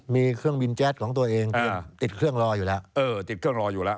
มีเครื่องบินแจ๊ดของตัวเองติดเครื่องรออยู่แล้ว